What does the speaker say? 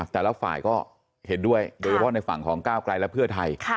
แต่ละฝ่ายก็เห็นด้วยโดยเฉพาะในฝั่งของก้าวไกลและเพื่อไทย